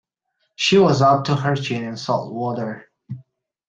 She was up to her chin in salt water.